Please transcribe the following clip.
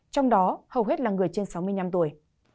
trong đó hầu hết là người trên sáu mươi năm tuổi